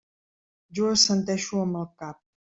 Jo assenteixo amb el cap.